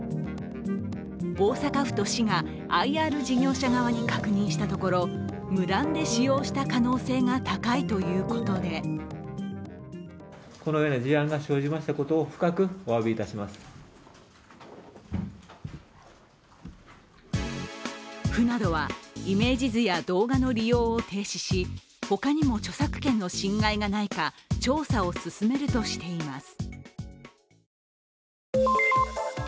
大阪府と市がＩＲ事業者側に確認したところ無断で使用した可能性が高いということで府などはイメージ図や動画の利用を停止し他にも著作権の侵害がないか調査を進めるとしています。